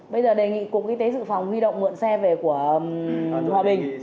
bây giờ đề nghị cục y tế dự phòng huy động mượn xe về của hòa bình